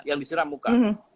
yang diserang muka